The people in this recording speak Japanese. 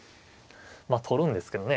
まあ取るんですけどね。